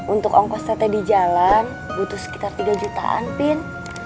untuk ongkos tete di jalan butuh sekitar tiga jutaan pin